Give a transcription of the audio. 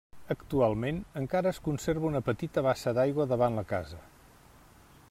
Actualment encara es conserva una petita bassa d'aigua davant la casa.